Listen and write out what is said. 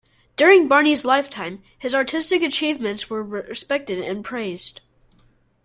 During Barney's lifetime, his artistic achievements were respected and praised.